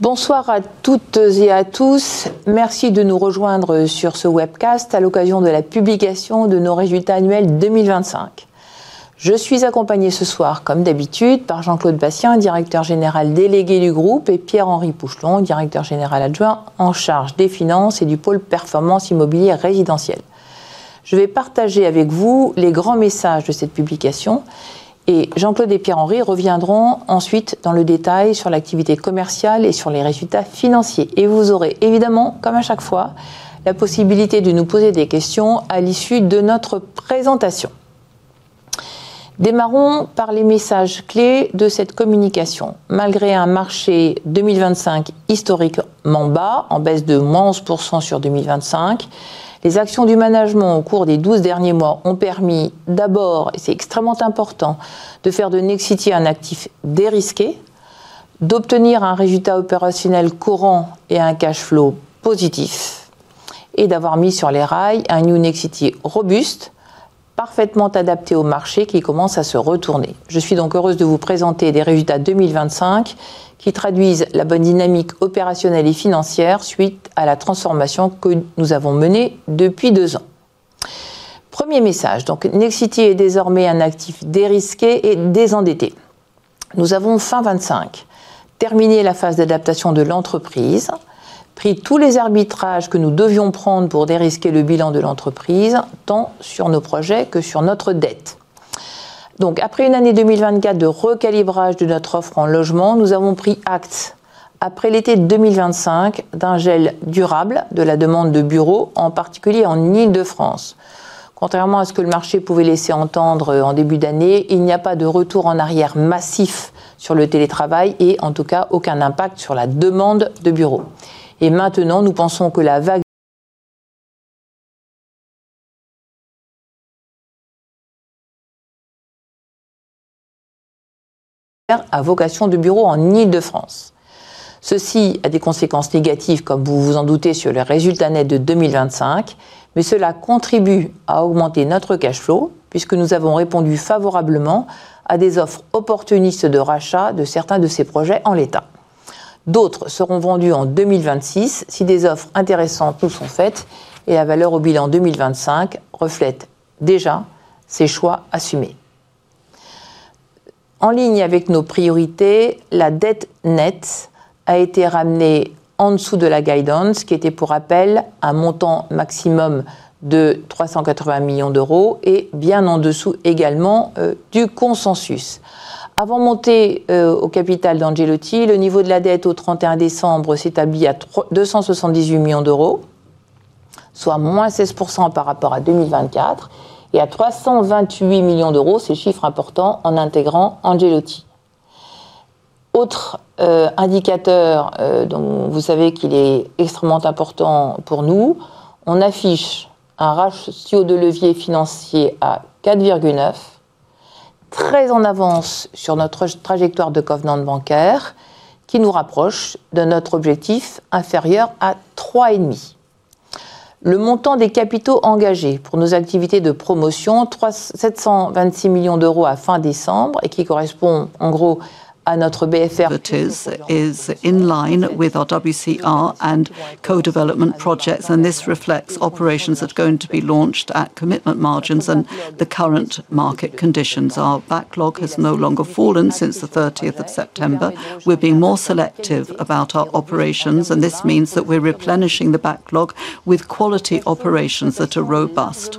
Bonsoir à toutes et à tous. Merci de nous rejoindre sur ce webcast à l'occasion de la publication de nos résultats annuels 2025. Je suis accompagnée ce soir, comme d'habitude, par Jean-Claude Bassien, Directeur général délégué du groupe, et Pierre-Henry Pouchelon, Directeur général adjoint en charge des Finances et du pôle performance immobilière résidentielle. Je vais partager avec vous les grands messages de cette publication et Jean-Claude et Pierre-Henry reviendront ensuite dans le détail sur l'activité commerciale et sur les résultats financiers. Vous aurez évidemment, comme à chaque fois, la possibilité de nous poser des questions à l'issue de notre présentation. Démarrons par les messages clés de cette communication. Malgré un marché 2025 historiquement bas, en baisse de -11% sur 2025, les actions du management au cours des 12 derniers mois ont permis d'abord, et c'est extrêmement important, de faire de Nexity un actif dérisqué, d'obtenir un Current Operating Profit et un cash flow positif et d'avoir mis sur les rails un New Nexity robuste, parfaitement adapté au marché qui commence à se retourner. Je suis heureuse de vous présenter des résultats 2025 qui traduisent la bonne dynamique opérationnelle et financière suite à la transformation que nous avons menée depuis two years. Premier message, Nexity est désormais un actif dérisqué et désendetté. Nous avons, fin 2025, terminé la phase d'adaptation de l'entreprise, pris tous les arbitrages que nous devions prendre pour dérisquer le bilan de l'entreprise, tant sur nos projets que sur notre dette. Après une année 2024 de recalibrage de notre offre en logement, nous avons pris acte, après l'été 2025, d'un gel durable de la demande de bureaux, en particulier en Île-de-France. Contrairement à ce que le marché pouvait laisser entendre en début d'année, il n'y a pas de retour en arrière massif sur le télétravail et en tout cas aucun impact sur la demande de bureaux. Maintenant, nous pensons que la vague à vocation de bureaux en Île-de-France. Ceci a des conséquences négatives, comme vous vous en doutez, sur les résultats nets de 2025, mais cela contribue à augmenter notre cash flow, puisque nous avons répondu favorablement à des offres opportunistes de rachat de certains de ces projets en l'état. D'autres seront vendus en 2026 si des offres intéressantes nous sont faites et la valeur au bilan 2025 reflète déjà ces choix assumés. En ligne avec nos priorités, la dette nette a été ramenée en dessous de la guidance, qui était, pour rappel, un montant maximum de 380 million et bien en dessous également du consensus. Avant montée au capital d'Angelotti, le niveau de la dette au 31 décembre s'établit à 278 million, soit moins 16% par rapport à 2024 et à 328 million, c'est un chiffre important, en intégrant Angelotti. Autre indicateur, dont vous savez qu'il est extrêmement important pour nous, on affiche un ratio de levier financier à 4.9, très en avance sur notre trajectoire de covenant bancaire, qui nous rapproche de notre objectif inférieur à 3.5. Le montant des capitaux engagés pour nos activités de promotion, 3,726 million à fin décembre et qui correspond en gros à notre BFR. Is in line with our WCR and co-development projects. This reflects operations that are going to be launched at commitment margins and the current market conditions. Our backlog has no longer fallen since the 30th of September. We're being more selective about our operations, and this means that we're replenishing the backlog with quality operations that are robust.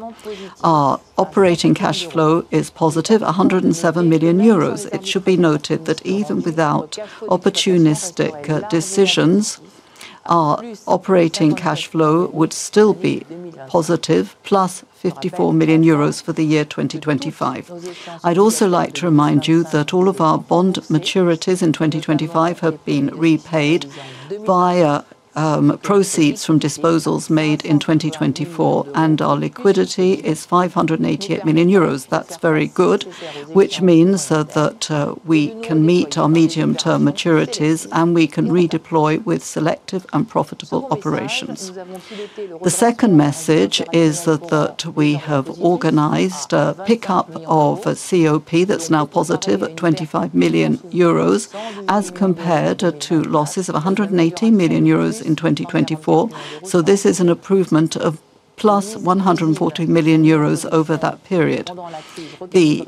Our operating cash flow is positive, 107 million euros. It should be noted that even without opportunistic decisions, our operating cash flow would still be positive, plus 54 million euros for the year 2025. I'd also like to remind you that all of our bond maturities in 2025 have been repaid via proceeds from disposals made in 2024, and our liquidity is 588 million euros. That's very good, which means that we can meet our medium-term maturities, and we can redeploy with selective and profitable operations. The second message is we have organized a pickup of COP that's now positive at 25 million euros, as compared to losses of 180 million euros in 2024. This is an improvement of plus 140 million euros over that period. The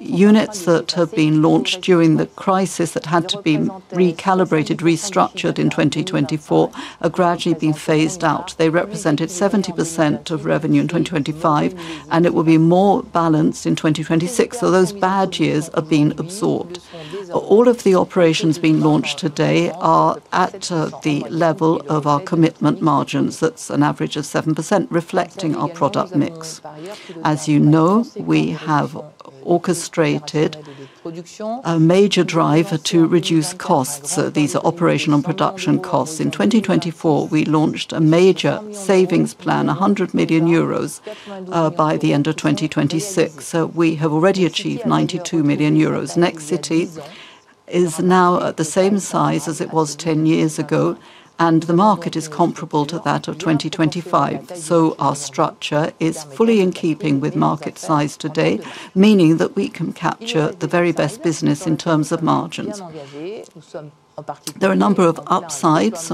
units that have been launched during the crisis that had to be recalibrated, restructured in 2024, are gradually being phased out. They represented 70% of revenue in 2025, and it will be more balanced in 2026. Those bad years are being absorbed. All of the operations being launched today are at the level of our commitment margins. That's an average of 7%, reflecting our product mix. As you know, we have orchestrated a major driver to reduce costs. These are operational production costs. In 2024, we launched a major savings plan, 100 million euros, by the end of 2026. We have already achieved 92 million euros. Nexity is now at the same size as it was 10 years ago, and the market is comparable to that of 2025. Our structure is fully in keeping with market size today, meaning that we can capture the very best business in terms of margins. There are a number of upsides.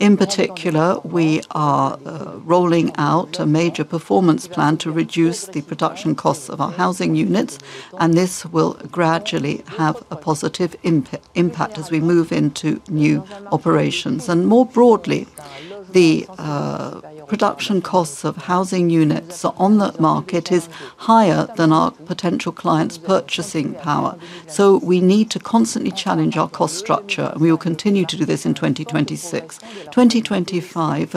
In particular, we are rolling out a major performance plan to reduce the production costs of our housing units, and this will gradually have a positive impact as we move into new operations. More broadly, the production costs of housing units on the market is higher than our potential clients' purchasing power. We need to constantly challenge our cost structure, and we will continue to do this in 2026. 2025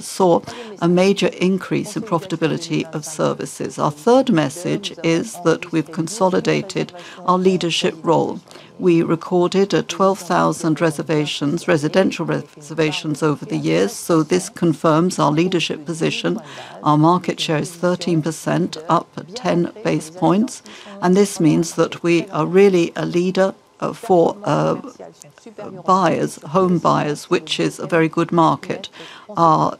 saw a major increase in profitability of services. Our third message is that we've consolidated our leadership role. We recorded a 12,000 reservations, residential reservations over the years, so this confirms our leadership position. Our market share is 13%, up 10 basis points, and this means that we are really a leader for buyers, home buyers, which is a very good market. Our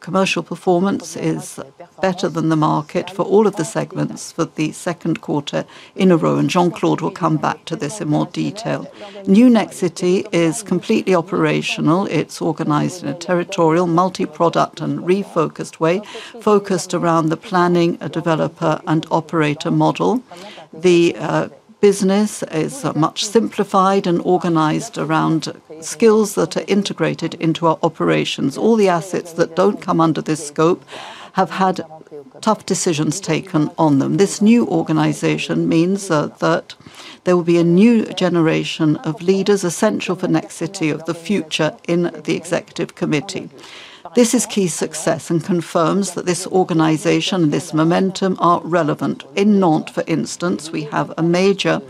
commercial performance is better than the market for all of the segments for the second quarter in a row, and Jean-Claude will come back to this in more detail. New Nexity is completely operational. It's organized in a territorial, multi-product and refocused way, focused around the planning, a developer and operator model. The business is much simplified and organized around skills that are integrated into our operations. All the assets that don't come under this scope have had tough decisions taken on them. This new organization means that there will be a new generation of leaders, essential for Nexity of the future in the Executive Committee. This is key success and confirms that this organization, this momentum, are relevant. In Nantes, for instance, we have a major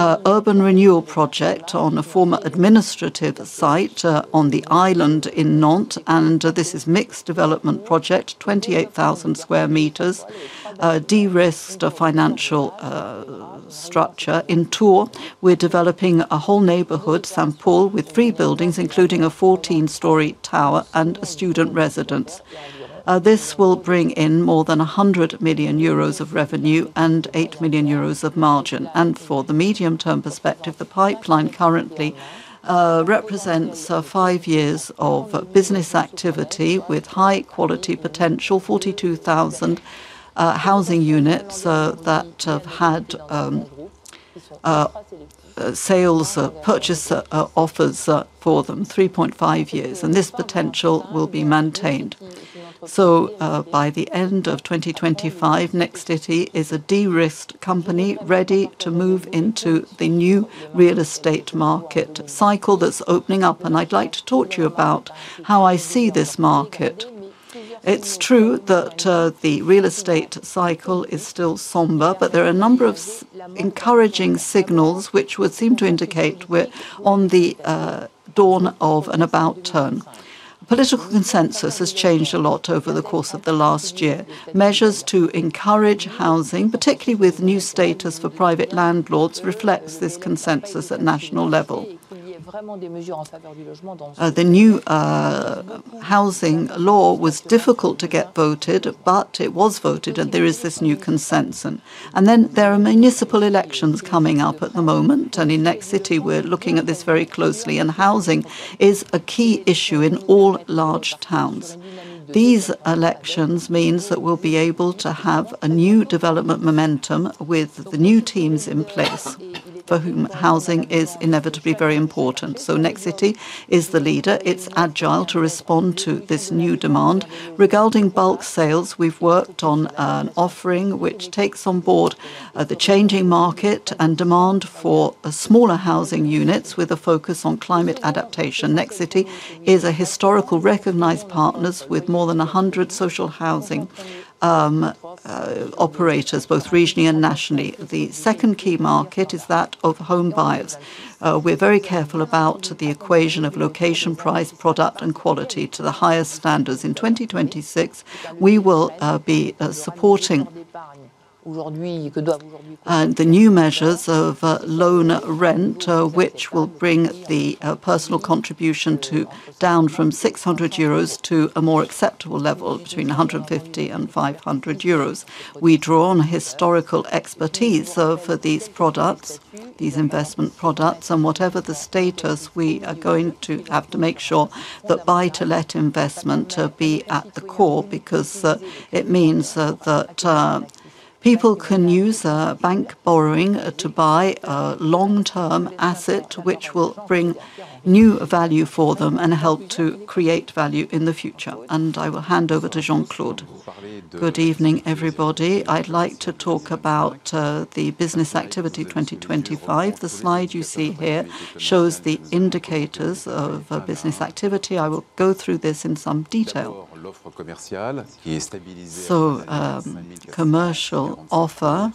urban renewal project on a former administrative site on the island in Nantes. This is mixed development project, 28,000 square meters, a de-risked financial structure. In Tours, we're developing a whole neighborhood, Saint Paul, with three buildings, including a 14-story tower and a student residence. This will bring in more than 100 million euros of revenue and 8 million euros of margin. For the medium-term perspective, the pipeline currently represents five years of business activity with high-quality potential, 42,000 housing units that have had sales purchase offers for them, 3.5 years, and this potential will be maintained. By the end of 2025, Nexity is a de-risked company, ready to move into the new real estate market cycle that's opening up, and I'd like to talk to you about how I see this market. It's true that the real estate cycle is still somber, but there are a number of encouraging signals which would seem to indicate we're on the dawn of an about turn. Political consensus has changed a lot over the course of the last year. Measures to encourage housing, particularly with new status for private landlords, reflects this consensus at national level. The new housing law was difficult to get voted, but it was voted, and there is this new consensus. There are municipal elections coming up at the moment, and in Nexity, we're looking at this very closely, and housing is a key issue in all large towns. These elections means that we'll be able to have a new development momentum with the new teams in place, for whom housing is inevitably very important. Nexity is the leader. It's agile to respond to this new demand. Regarding bulk sales, we've worked on an offering which takes on board the changing market and demand for smaller housing units with a focus on climate adaptation. Nexity is a historical recognized partners with more than 100 social housing operators, both regionally and nationally. The second key market is that of home buyers. We're very careful about the equation of location, price, product and quality to the highest standards. In 2026, we will be supporting the new measures of Location-accession, which will bring the personal contribution down from 600 euros to a more acceptable level, between 150 and 500 euros. We draw on historical expertise of these products, these investment products, and whatever the status, we are going to have to make sure that buy-to-let investment to be at the core, because it means that people can use bank borrowing to buy a long-term asset, which will bring new value for them and help to create value in the future. I will hand over to Jean-Claude. Good evening, everybody. I'd like to talk about the business activity, 2025. The slide you see here shows the indicators of business activity. I will go through this in some detail. Commercial offer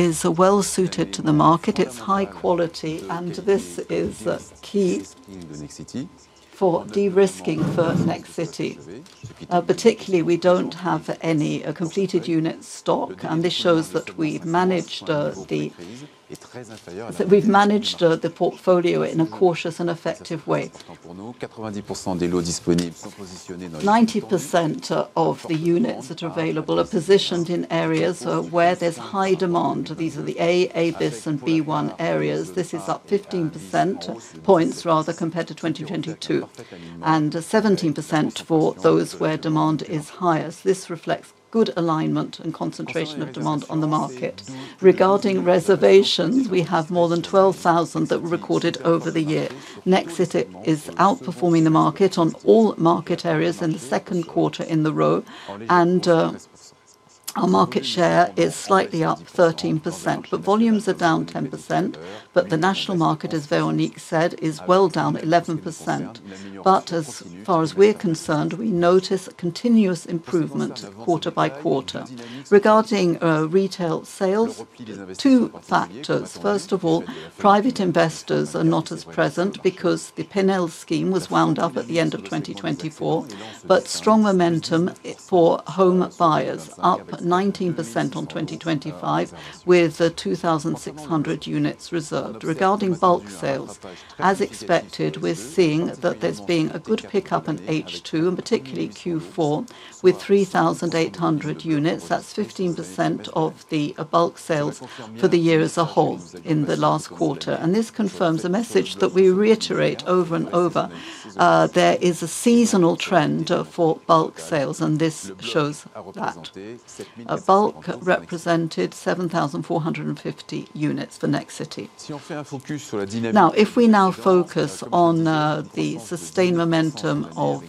is well suited to the market. It's high quality, and this is key for de-risking for Nexity. Particularly, we don't have any completed unit stock. This shows that we've managed the portfolio in a cautious and effective way. 90% of the units that are available are positioned in areas where there's high demand. These are the A, AB, and B1 areas. This is up 15 percentage points compared to 2022, 17% for those where demand is highest. This reflects good alignment and concentration of demand on the market. Regarding reservations, we have more than 12,000 that were recorded over the year. Nexity is outperforming the market on all market areas in the 2Q in the row. Our market share is slightly up 13%, but volumes are down 10%. The national market, as Véronique said, is well down 11%. As far as we're concerned, we notice a continuous improvement quarter by quarter. Regarding retail sales, two factors: First of all, private investors are not as present because the Pinel scheme was wound up at the end of 2024, but strong momentum for home buyers, up 19% on 2025, with 2,600 units reserved. Regarding bulk sales, as expected, we're seeing that there's been a good pickup in H2, and particularly Q4, with 3,800 units. That's 15% of the bulk sales for the year as a whole in the last quarter. This confirms a message that we reiterate over and over. There is a seasonal trend for bulk sales, and this shows that. Bulk represented 7,450 units for Nexity. If we now focus on the sustained momentum of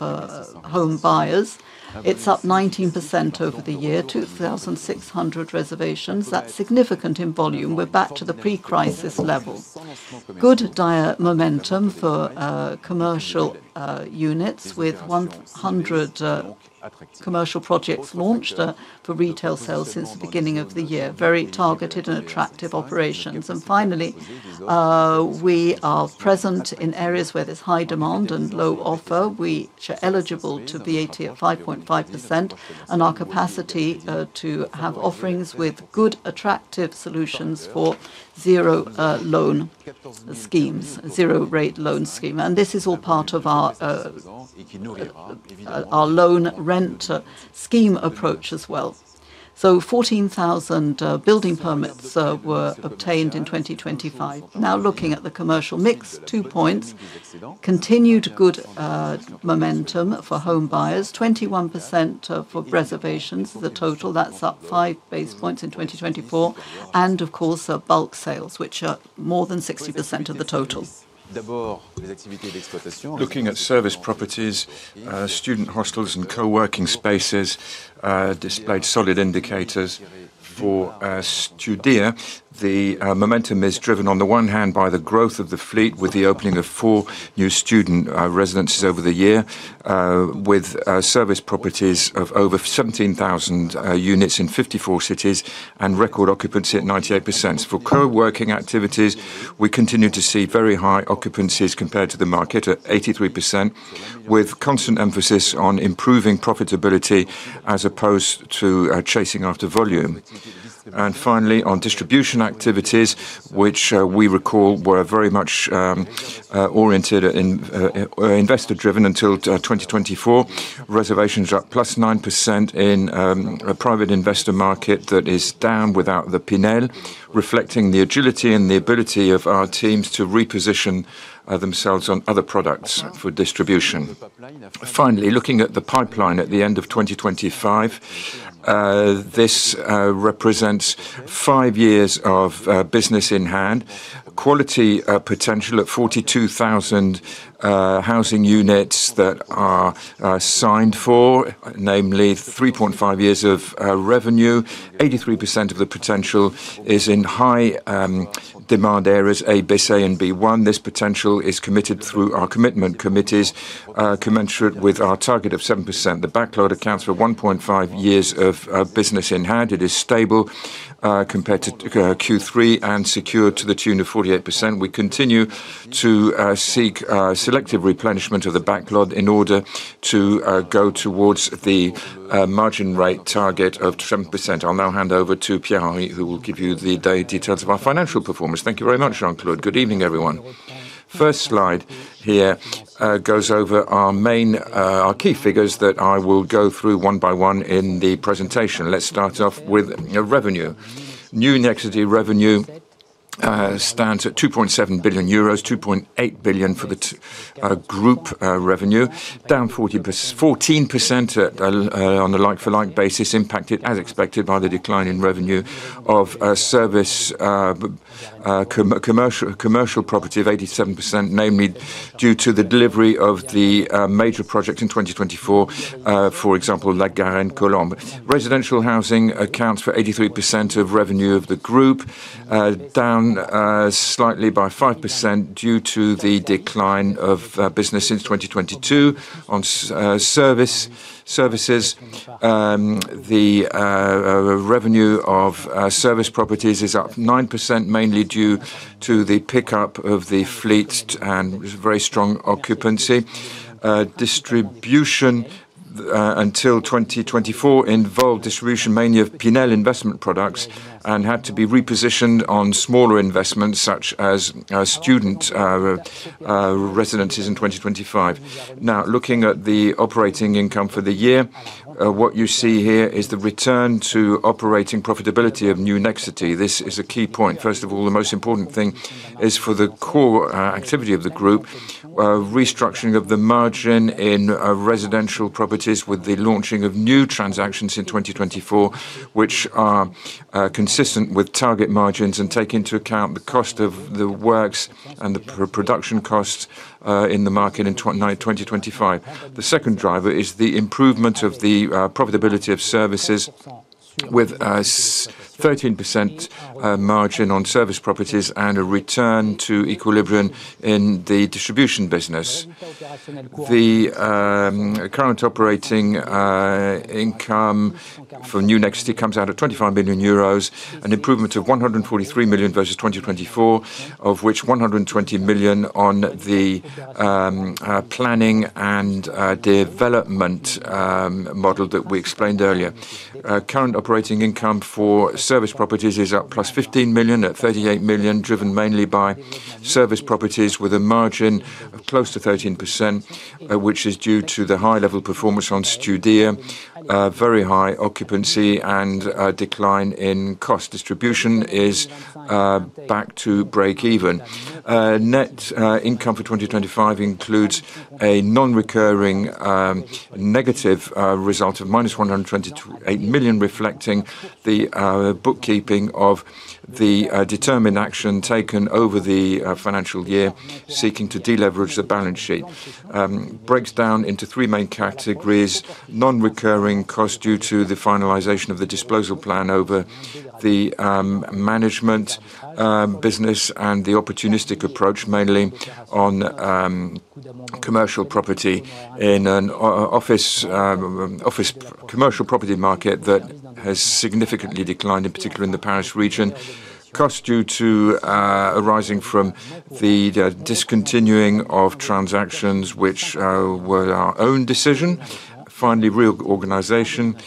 home buyers, it's up 19% over the year, 2,600 reservations. That's significant in volume. We're back to the pre-crisis level. Good dire momentum for commercial units, with 100 commercial projects launched for retail sales since the beginning of the year. Very targeted and attractive operations. Finally, we are present in areas where there's high demand and low offer, which are eligible to be 85.5%, and our capacity to have offerings with good, attractive solutions for zero-rate loan scheme. This is all part of our loan rent scheme approach as well. 14,000 building permits were obtained in 2025. Looking at the commercial mix, two points. Continued good momentum for home buyers, 21% for reservations. The total, that's up 5 basis points in 2024, and of course, bulk sales, which are more than 60% of the total. Looking at service properties, student hostels and co-working spaces, displayed solid indicators for Studéa. The momentum is driven, on the one hand, by the growth of the fleet, with the opening of four new student residences over the year, with service properties of over 17,000 units in 54 cities and record occupancy at 98%. For co-working activities, we continue to see very high occupancies compared to the market at 83%, with constant emphasis on improving profitability as opposed to chasing after volume. Finally, on distribution activities, which we recall were very much oriented and investor-driven until 2024. Reservations are up 9%+ in a private investor market that is down without the Pinel, reflecting the agility and the ability of our teams to reposition themselves on other products for distribution. Finally, looking at the pipeline at the end of 2025, this represents five years of business in hand, quality potential at 42,000 housing units that are signed for, namely 3.5 years of revenue. 83% of the potential is in high demand areas, A, B and B1. This potential is committed through our commitment committees, commensurate with our target of 7%. The backlog accounts for 1.5 years of business in hand. It is stable compared to Q3 and secured to the tune of 48%. We continue to seek selective replenishment of the backlog in order to go towards the margin rate target of 7%. I'll now hand over to Pierre, who will give you the details of our financial performance. Thank you very much, Jean-Claude. Good evening, everyone. First slide here goes over our main key figures that I will go through one by one in the presentation. Let's start off with revenue. New Nexity revenue stands at 2.7 billion euros, 2.8 billion for the group revenue, down 14% on a like-for-like basis, impacted, as expected, by the decline in revenue of service commercial property of 87%, namely due to the delivery of the major project in 2024, for example, La Garenne-Colombes. Residential housing accounts for 83% of revenue of the group, down slightly by 5% due to the decline of business since 2022. On services, the revenue of service properties is up 9%, mainly due to the pickup of the fleet, and it was very strong occupancy. Distribution, until 2024, involved distribution mainly of Pinel investment products and had to be repositioned on smaller investments, such as student residences in 2025. Now, looking at the operating income for the year, what you see here is the return to operating profitability of New Nexity. This is a key point. First of all, the most important thing is for the core activity of the group, restructuring of the margin in residential properties with the launching of new transactions in 2024, which are consistent with target margins and take into account the cost of the works and the production costs in the market in 2029, 2025. The second driver is the improvement of the profitability of services with a 13% margin on service properties and a return to equilibrium in the distribution business. The Current Operating income for New Nexity comes out of 25 billion euros, an improvement of 143 million versus 2024, of which 120 million on the Planning and Development model that we explained earlier. Current operating income for service properties is up plus 15 million at 38 million, driven mainly by service properties with a margin of close to 13%, which is due to the high level performance on Studéa, very high occupancy and decline in cost. Distribution is back to breakeven. Net income for 2025 includes a non-recurring negative result of minus 128 million, reflecting the bookkeeping of the determined action taken over the financial year, seeking to deleverage the balance sheet. Breaks down into three main categories: non-recurring costs due to the finalization of the disposal plan over the management business, and the opportunistic approach, mainly on commercial property in an office commercial property market that has significantly declined, in particular in the Paris region. Costs due to arising from the discontinuing of transactions, which were our own decision. Reorganization,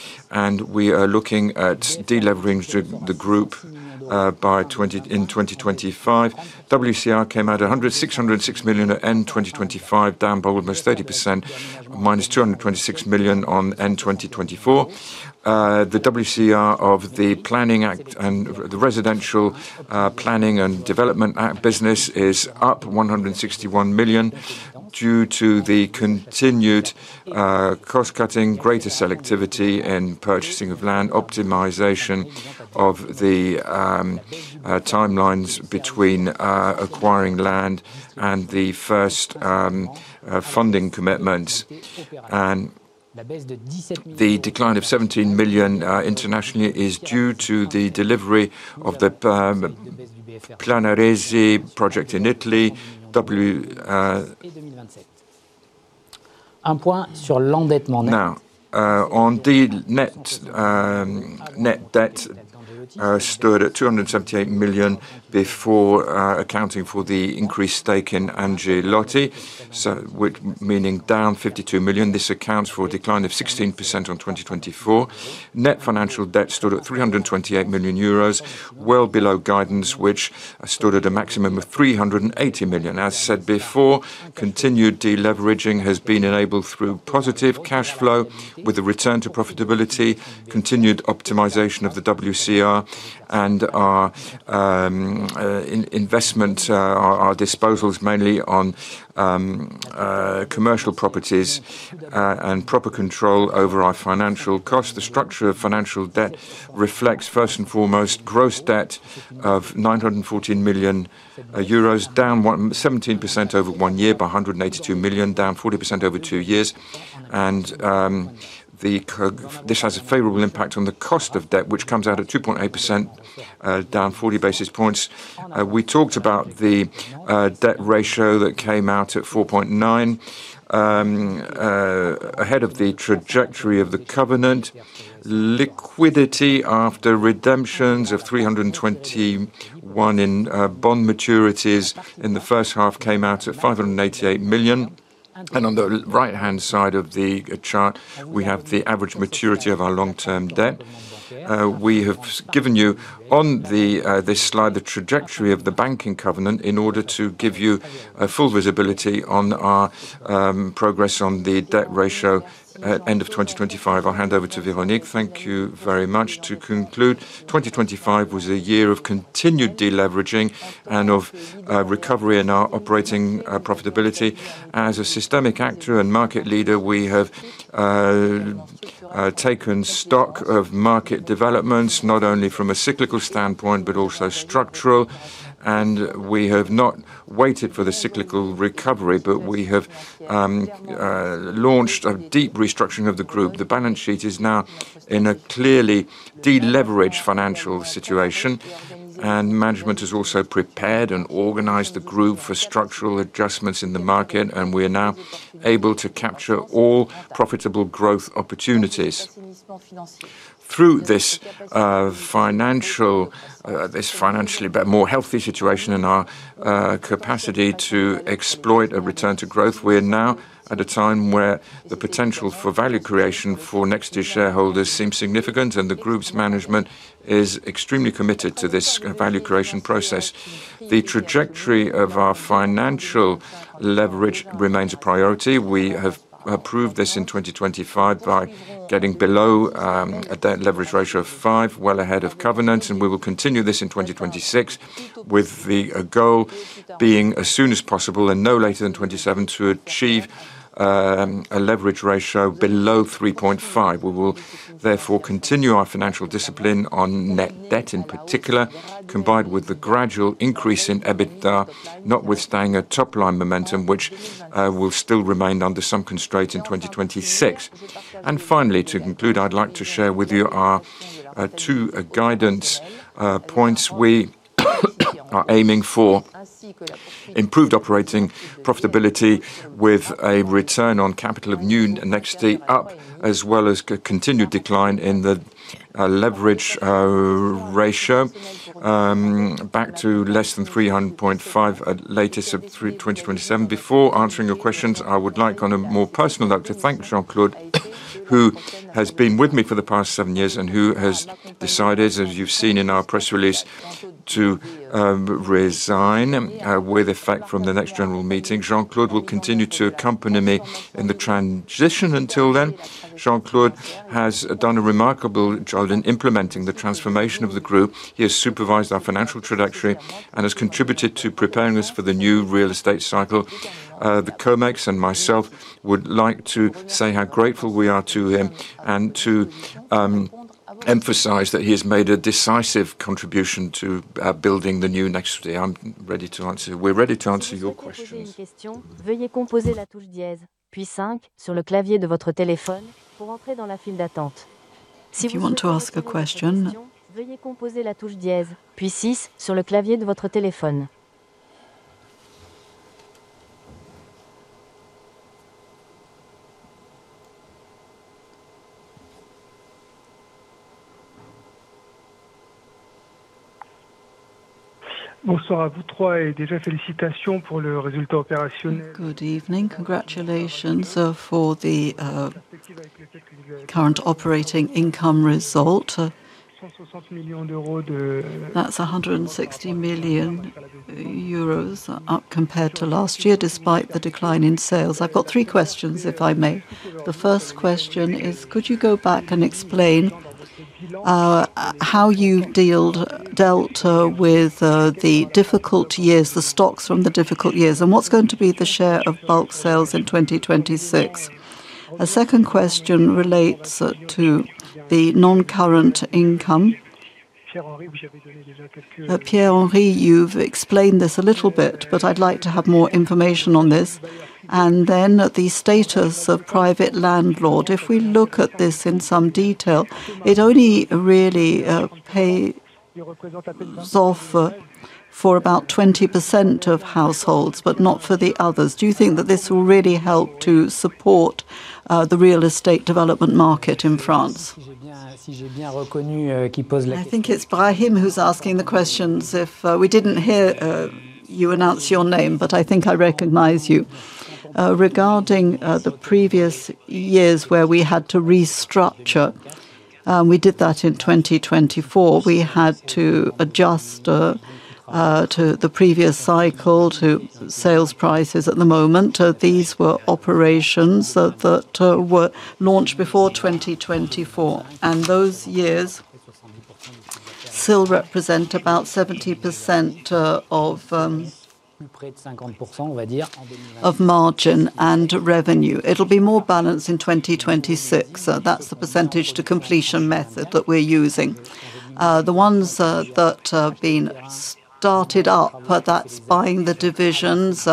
we are looking at deleveraging the group in 2025. WCR came out 106 million at end 2025, down by almost 30%, minus 226 million on end 2024. The WCR of the Planning Act and the Residential Planning and Development Act business is up 161 million due to the continued cost-cutting, greater selectivity in purchasing of land, optimization of the timelines between acquiring land and the first funding commitments. The decline of 17 million internationally is due to the delivery of the Planares project in Italy. I'm point. Now, on the net debt stood at 278 million before accounting for the increased stake in Angelotti group, so which meaning down 52 million. This accounts for a decline of 16% on 2024. Net financial debt stood at 328 million euros, well below guidance, which stood at a maximum of 380 million. As said before, continued deleveraging has been enabled through positive cash flow, with a return to profitability, continued optimization of the WCR and our investment, our disposals, mainly on commercial properties, and proper control over our financial costs. The structure of financial debt reflects first and foremost, gross debt of 914 million euros, down 17% over one year by 182 million, down 40% over two years. This has a favorable impact on the cost of debt, which comes out at 2.8%, down 40 basis points. We talked about the debt ratio that came out at 4.9, ahead of the trajectory of the covenant. Liquidity after redemptions of 321 million in bond maturities in the first half came out at 588 million. On the right-hand side of the chart, we have the average maturity of our long-term debt. We have given you on this slide, the trajectory of the banking covenant in order to give you a full visibility on our progress on the debt ratio at end of 2025. I'll hand over to Véronique. Thank you very much. To conclude, 2025 was a year of continued deleveraging and of recovery in our operating profitability. As a systemic actor and market leader, we have taken stock of market developments, not only from a cyclical standpoint, but also structural, and we have not waited for the cyclical recovery, but we have launched a deep restructuring of the group. The balance sheet is now in a clearly deleveraged financial situation, and management has also prepared and organized the group for structural adjustments in the market, and we are now able to capture all profitable growth opportunities. Through this financial, this financially but more healthy situation and our capacity to exploit a return to growth, we are now at a time where the potential for value creation for next year's shareholders seems significant. The group's management is extremely committed to this value creation process. The trajectory of our financial leverage remains a priority. We have approved this in 2025 by getting below a debt leverage ratio of 5x, well ahead of covenant. We will continue this in 2026, with the goal being as soon as possible and no later than 2027, to achieve a leverage ratio below 3.5x. We will therefore continue our financial discipline on net debt, in particular, combined with the gradual increase in EBITDA, notwithstanding a top-line momentum, which will still remain under some constraints in 2026. Finally, to conclude, I'd like to share with you our two guidance points we are aiming for improved operating profitability with a return on capital of New Nexity up, as well as continued decline in the leverage ratio, back to less than 300.5 at latest of through 2027. Before answering your questions, I would like, on a more personal note, to thank Jean-Claude, who has been with me for the past seven years, and who has decided, as you've seen in our press release, to resign with effect from the next general meeting. Jean-Claude will continue to accompany me in the transition until then. Jean-Claude has done a remarkable job in implementing the transformation of the group. He has supervised our financial trajectory and has contributed to preparing us for the new real estate cycle. The Comex and myself would like to say how grateful we are to him, and to emphasize that he has made a decisive contribution to building the New Nexity. We're ready to answer your questions. If you want to ask a question. Good evening. Congratulations for the Current Operating Income result. That's 160 million euros up compared to last year, despite the decline in sales. I've got three questions, if I may. The first question is, could you go back and explain how you dealt with the difficult years, the stocks from the difficult years, and what's going to be the share of bulk sales in 2026? A second question relates to the non-current income. Pierre-Henri, you've explained this a little bit, but I'd like to have more information on this. The status of private landlord. If we look at this in some detail, it only really pay solve for about 20% of households, but not for the others. Do you think that this will really help to support the real estate development market in France? I think it's by him who's asking the questions. If we didn't hear you announce your name, but I think I recognize you. Regarding the previous years where we had to restructure, we did that in 2024. We had to adjust to the previous cycle, to sales prices at the moment. These were operations that were launched before 2024, and those years still represent about 70% of margin and revenue. It'll be more balanced in 2026. That's the percentage to completion method that we're using. The ones that have been started up, that's buying the divisions,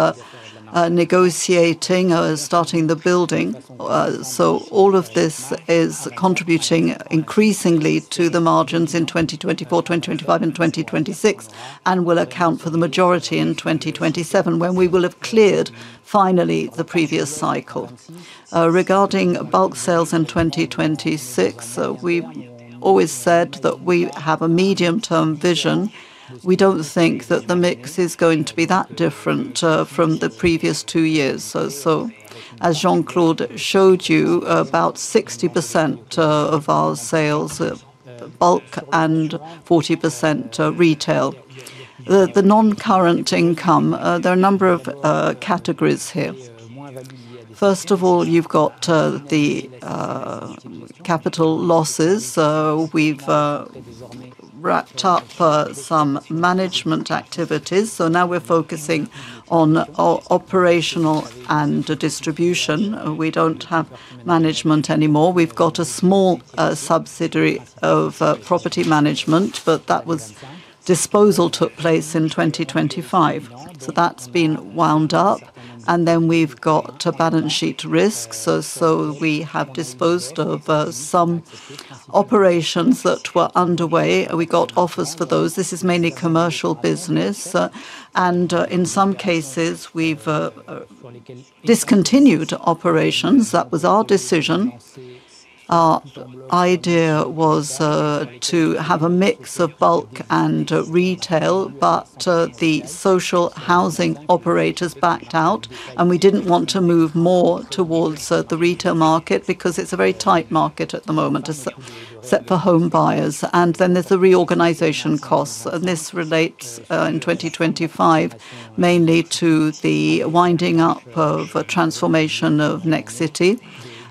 negotiating or starting the building. All of this is contributing increasingly to the margins in 2024, 2025, and 2026, and will account for the majority in 2027, when we will have cleared finally the previous cycle. Regarding bulk sales in 2026, we've always said that we have a medium-term vision. We don't think that the mix is going to be that different from the previous two years. As Jean-Claude showed you, about 60% of our sales are bulk and 40% are retail. The non-current income, there are a number of categories here. First of all, you've got the capital losses. We've wrapped up some management activities, so now we're focusing on operational and distribution. We don't have management anymore. We've got a small subsidiary of property management. Disposal took place in 2025, so that's been wound up. We've got to balance sheet risks. We have disposed of some operations that were underway. We got offers for those. This is mainly commercial business, and in some cases we've discontinued operations. That was our decision. Our idea was to have a mix of bulk and retail. The social housing operators backed out. We didn't want to move more towards the retail market because it's a very tight market at the moment, except for home buyers. There's the reorganization costs. This relates in 2025 mainly to the winding up of a transformation of Nexity.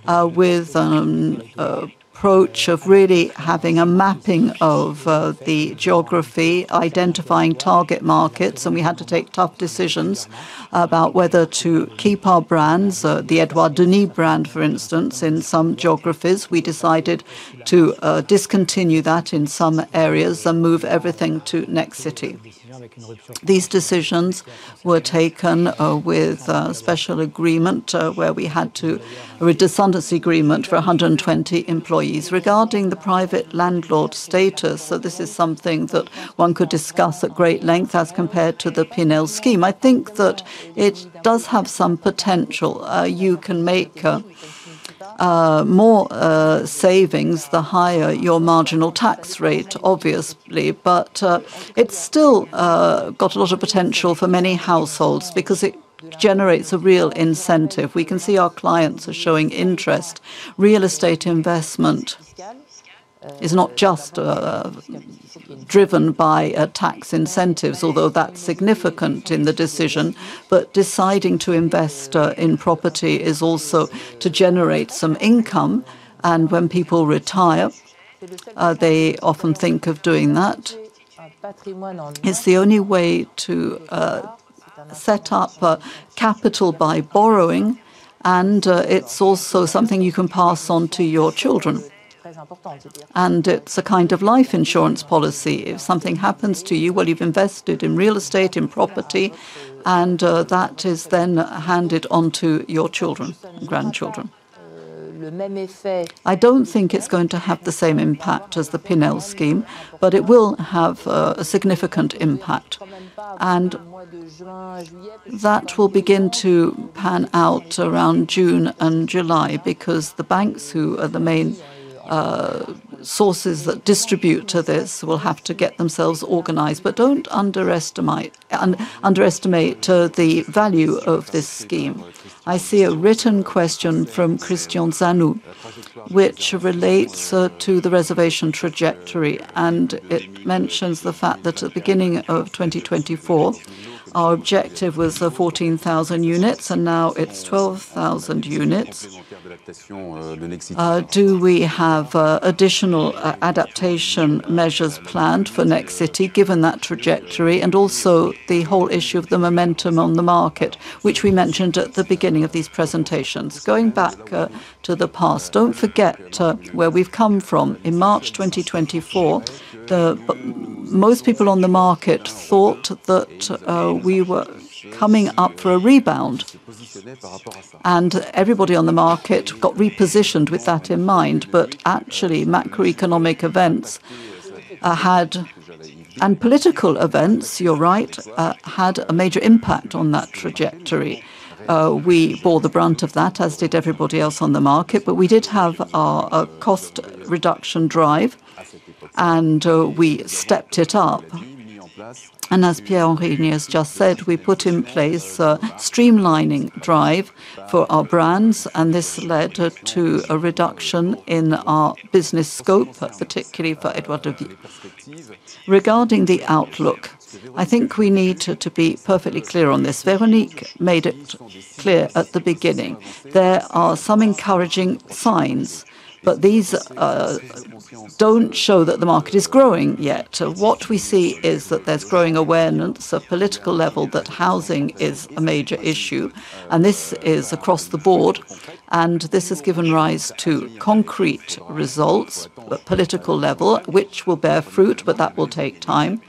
With approach of really having a mapping of the geography, identifying target markets, we had to take tough decisions about whether to keep our brands, the Edouard Denis brand, for instance. In some geographies, we decided to discontinue that in some areas and move everything to Nexity. These decisions were taken with special agreement, where we had to. A redundancy agreement for 120 employees. Regarding the private landlord status, this is something that one could discuss at great length as compared to the Pinel scheme. I think that it does have some potential. You can make more savings, the higher your marginal tax rate, obviously. It's still got a lot of potential for many households because it generates a real incentive. We can see our clients are showing interest. Real estate investment is not just driven by tax incentives, although that's significant in the decision. Deciding to invest in property is also to generate some income, and when people retire, they often think of doing that. It's the only way to set up capital by borrowing, and it's also something you can pass on to your children. It's a kind of life insurance policy. If something happens to you, well, you've invested in real estate, in property, and that is then handed on to your children and grandchildren. I don't think it's going to have the same impact as the Pinel scheme, but it will have a significant impact. That will begin to pan out around June and July because the banks who are the main sources that distribute to this will have to get themselves organized. Don't underestimate the value of this scheme. I see a written question from Christian Sannier, which relates to the reservation trajectory, and it mentions the fact that at the beginning of 2024, our objective was 14,000 units, and now it's 12,000 units. Do we have additional adaptation measures planned for Nexity, given that trajectory, and also the whole issue of the momentum on the market, which we mentioned at the beginning of these presentations? Going back to the past, don't forget where we've come from. In March 2024, the... most people on the market thought that we were coming up for a rebound, and everybody on the market got repositioned with that in mind. Actually, macroeconomic events had, and political events, you're right, had a major impact on that trajectory. We bore the brunt of that, as did everybody else on the market, but we did have our cost reduction drive, and we stepped it up. As Pierre-Henri has just said, we put in place a streamlining drive for our brands, and this led to a reduction in our business scope, particularly for Edouard Denis. Regarding the outlook, I think we need to be perfectly clear on this. Véronique made it clear at the beginning. There are some encouraging signs, but these don't show that the market is growing yet. What we see is that there's growing awareness at political level that housing is a major issue, and this is across the board, and this has given rise to concrete results at political level, which will bear fruit, but that will take time.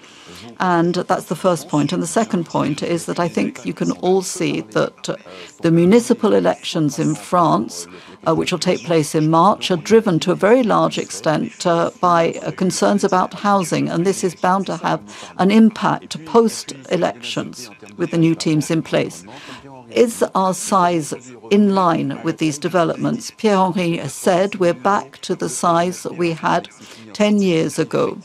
That's the first point. The second point is that I think you can all see that the municipal elections in France, which will take place in March, are driven to a very large extent by concerns about housing, and this is bound to have an impact post-elections with the new teams in place. Is our size in line with these developments? Pierre-Henri has said we're back to the size we had 10 years ago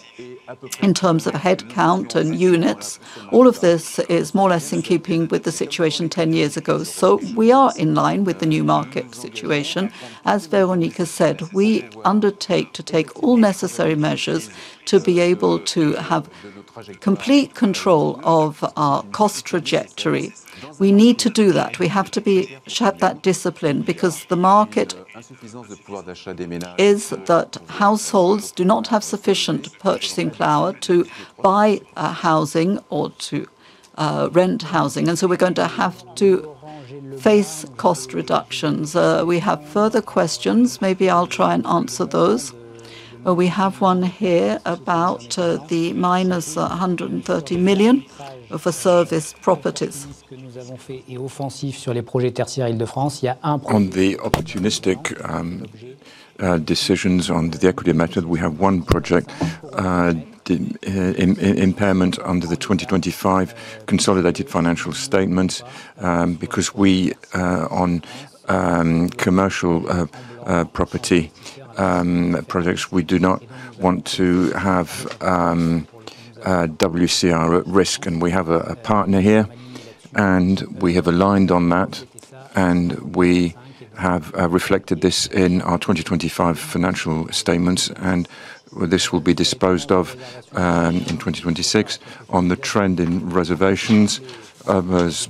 in terms of headcount and units. All of this is more or less in keeping with the situation 10 years ago. We are in line with the new market situation. As Véronique has said, we undertake to take all necessary measures to be able to have complete control of our cost trajectory. We need to do that. We have to have that discipline because the market is that households do not have sufficient purchasing power to buy housing or to rent housing, we're going to have to face cost reductions. We have further questions. Maybe I'll try and answer those. We have one here about the minus 130 million for service properties. On the opportunistic decisions on the equity matter, we have one project, the impairment under the 2025 consolidated financial statements, because we on commercial property projects, we do not want to have WCR at risk. We have a partner here, and we have aligned on that, and we have reflected this in our 2025 financial statements, and well, this will be disposed of in 2026. On the trend in reservations, as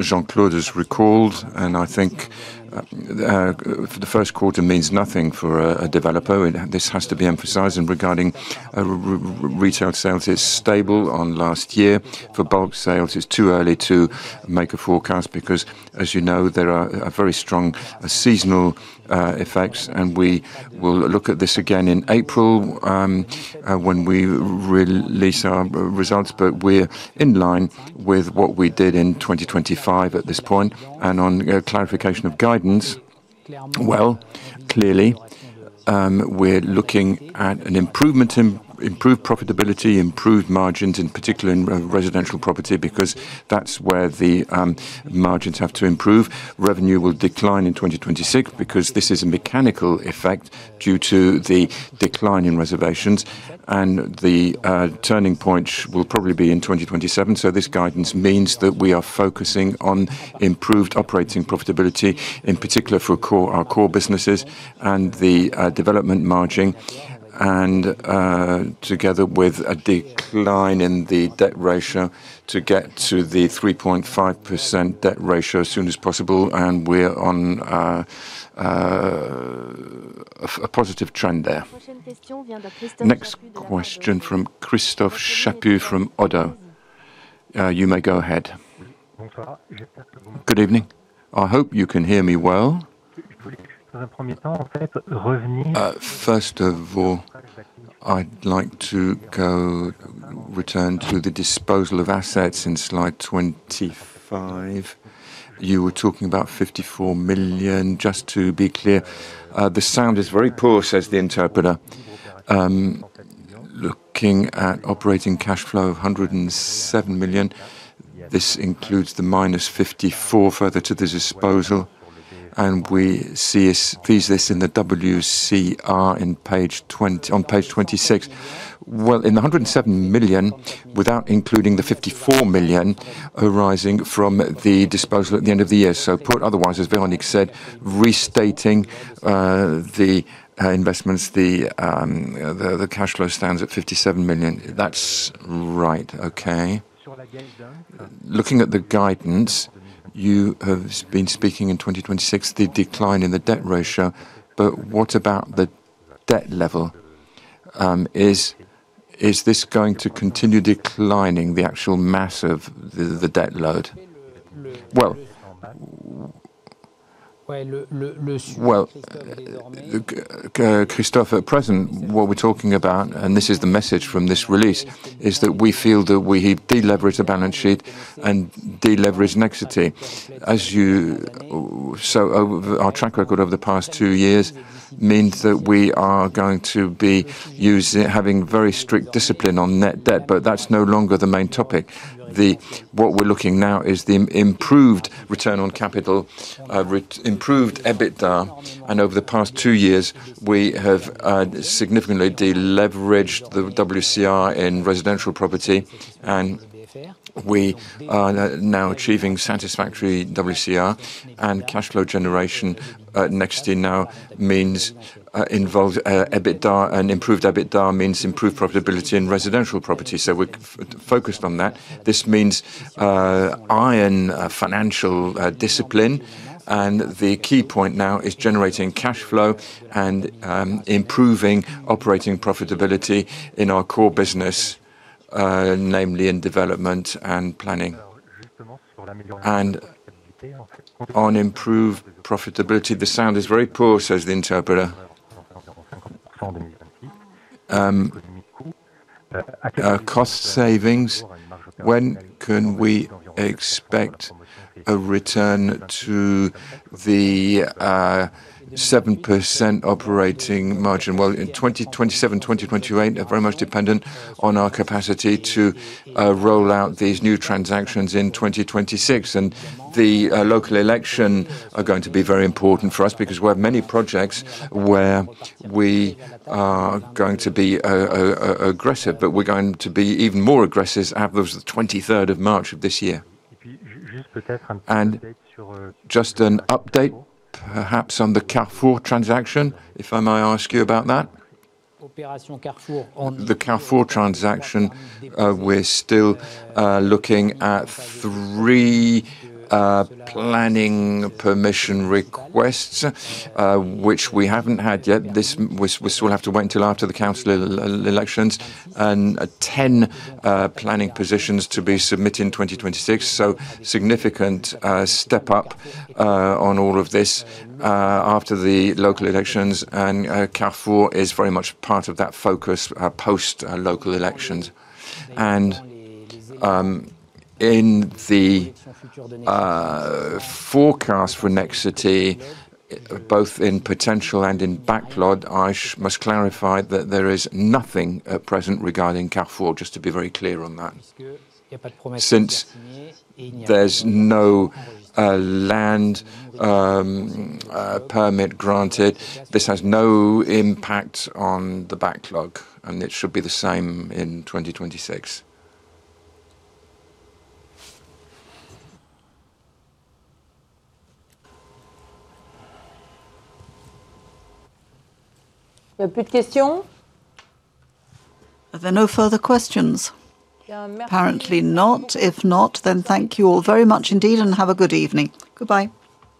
Jean-Claude has recalled, and I think the first quarter means nothing for a developer, and this has to be emphasized. Regarding retail sales is stable on last year. For bulk sales, it's too early to make a forecast because, as you know, there are very strong seasonal effects, and we will look at this again in April when we release our results. We're in line with what we did in 2025 at this point. On clarification of guidance, well, we're looking at an improvement in improved profitability, improved margins, in particular in residential property, because that's where the margins have to improve. Revenue will decline in 2026 because this is a mechanical effect due to the decline in reservations, and the turning point will probably be in 2027. This guidance means that we are focusing on improved operating profitability, in particular for our core businesses and the development margin, together with a decline in the debt ratio to get to the 3.5% debt ratio as soon as possible, and we're on a positive trend there. Next question from Christophe Chaput from Oddo. You may go ahead. Good evening. I hope you can hear me well. First of all, I'd like to return to the disposal of assets in slide 25. You were talking about 54 million. Just to be clear, the sound is very poor, says the interpreter. Looking at operating cash flow of 107 million, this includes the -54 further to the disposal, and we see this in the WCR in page 26. In the 107 million, without including the 54 million arising from the disposal at the end of the year, put otherwise, as Véronique said, restating the investments, the cash flow stands at 57 million. That's right. Okay. Looking at the guidance, you have been speaking in 2026, the decline in the debt ratio, what about the debt level? Is this going to continue declining, the actual mass of the debt load? Well, Christophe, at present, what we're talking about, this is the message from this release, is that we feel that we deleverage the balance sheet and deleverage Nexity. As you. Our track record over the past two years means that we are going to be using, having very strict discipline on net debt, but that's no longer the main topic. What we're looking now is improved return on capital, improved EBITDA, and over the past two years, we have significantly deleveraged the WCR in residential property, and we are now achieving satisfactory WCR and cash flow generation. Nexity now means involved EBITDA, and improved EBITDA means improved profitability in residential property, so we're focused on that. This means iron financial discipline, and the key point now is generating cash flow and improving operating profitability in our core business, namely in development and planning. On improved profitability, the sound is very poor, says the interpreter. Cost savings, when can we expect a return to the 7% operating margin? In 2027, 2028, are very much dependent on our capacity to roll out these new transactions in 2026. The local election are going to be very important for us because we have many projects where we are going to be aggressive, but we're going to be even more aggressive after the 23rd of March of this year. Just an update, perhaps on the Carrefour transaction, if I may ask you about that? The Carrefour transaction, we're still looking at three planning permission requests, which we haven't had yet. This we still have to wait until after the council elections and 10 planning positions to be submitted in 2026. Significant step up on all of this after the local elections, and Carrefour is very much part of that focus post local elections. In the forecast for Nexity, both in potential and in backlog, I must clarify that there is nothing at present regarding Carrefour, just to be very clear on that. Since there's no land permit granted, this has no impact on the backlog, and it should be the same in 2026. Are there no further questions? Apparently not. Thank you all very much indeed, and have a good evening. Goodbye.